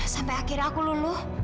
sampai akhirnya aku luluh